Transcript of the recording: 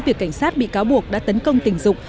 việc cảnh sát bị cáo buộc đã tấn công tình dục